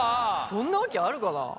そんなわけあるかなあ？